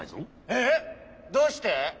ええっどうして？